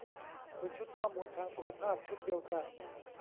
บนชุดข้อมูลทางสุขภาพชุดเดียวกัน